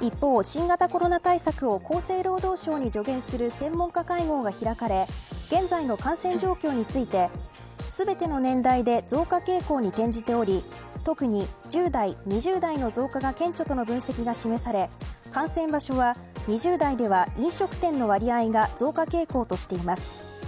一方、新型コロナ対策を厚生労働省に助言する専門家会合が開かれ現在の感染状況について全ての年代で増加傾向に転じており特に１０代、２０代の増加が顕著との分析が示され感染場所は２０代では飲食店の割合が増加傾向としています。